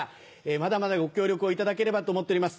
まだまだご協力をいただければと思っております。